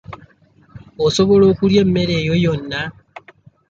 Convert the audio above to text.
Osobola okulya emmere eyo yonna?